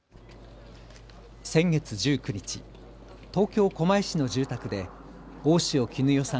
先月１９日、東京狛江市の住宅で大塩衣與さん